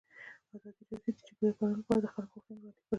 ازادي راډیو د د جګړې راپورونه لپاره د خلکو غوښتنې وړاندې کړي.